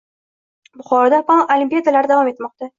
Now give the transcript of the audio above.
Buxoroda fan olimpiadalari davom etmoqda